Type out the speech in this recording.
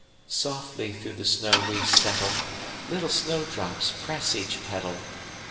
"Softly through the snow we settle, Little snow drops press each petal.